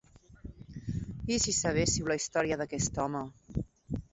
I si sabéssiu la història d'aquest home.